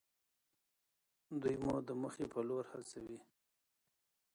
دوی مو د موخې په لور هڅوي.